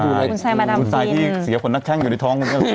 คุณสายมาดอัมไปอาหัยคุณสายที่เสียผลนักแค่งอยู่ในท้อง